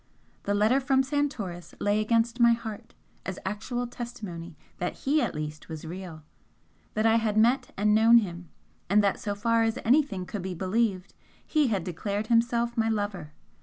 The letter from Santoris lay against my heart as actual testimony that he at least was real that I had met and known him, and that so far as anything could be believed he had declared himself my 'lover'!